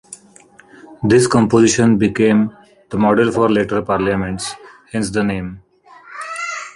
This composition became the model for later parliaments, hence the name.